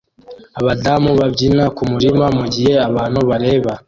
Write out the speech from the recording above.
abadamu babyina kumurima mugihe abantu bareba